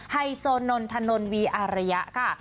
ไฮโซนนถนนวีอารยะค่ะ